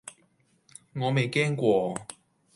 我未驚過!